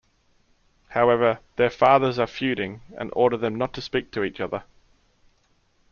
However, their fathers are feuding and order them not to speak to each other.